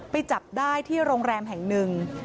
ไปจับได้ที่โรงแรมแห่งหนึ่ง